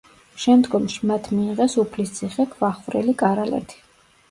შემდგომში მათ მიიღეს უფლისციხე, ქვახვრელი, კარალეთი.